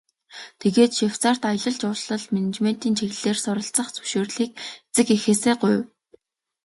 Тэгээд Швейцарьт аялал жуулчлал, менежментийн чиглэлээр суралцах зөвшөөрлийг эцэг эхээсээ гуйв.